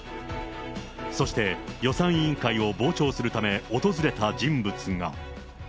そして、予算委員会を傍聴するため訪れた人物が。